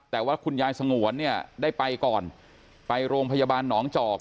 แต่ว่าคุณยายสงวนเนี่ยได้ไปก่อนไปโรงพยาบาลหนองจอก